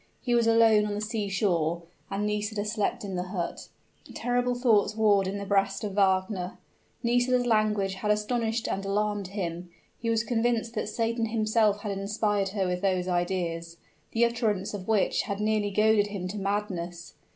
He was alone on the seashore; and Nisida slept in the hut. Terrible thoughts warred in the breast of Wagner. Nisida's language had astonished and alarmed him: he was convinced that Satan himself had inspired her with those ideas, the utterance of which had nearly goaded him to madness.